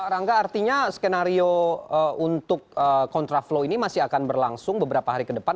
rangga artinya skenario untuk kontraflow ini masih akan berlangsung beberapa hari ke depan